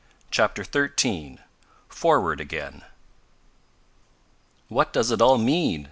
CHAPTER XIII FORWARD AGAIN "What does it all mean?"